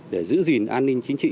để giữ gìn an ninh chính trị